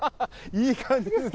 いい感じですね